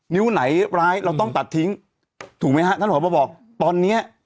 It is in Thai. นิ้วไหนร้ายเราต้องตัดทิ้งถูกไหมฮะท่านผอบบอกตอนเนี้ย